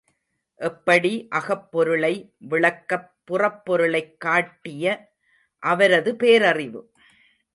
எப்படி அகப்பொருளை விளக்கப் புறப்பொருளைக் காட்டிய அவரது பேரறிவு?